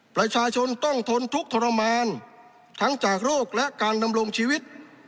ประชาชนต้องทนทุกข์ทรมานทั้งจากโรคและการดำรงชีวิต